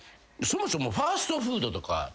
そもそもファストフードとか食べます？